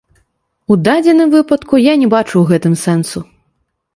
У дадзеным выпадку я не бачу ў гэтым сэнсу.